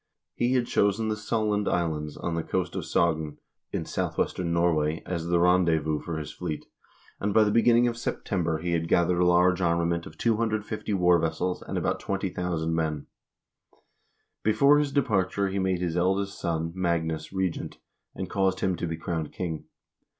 He had chosen the Solund Islands, on the coast of Sogn, in southwestern Norway, as the rendezvous for his fleet, and by the beginning of September he had gathered a large armament of 250 war vessels and about 20,000 men. Before his departure he made his eldest son, Magnus, regent, and caused him to be crowned king.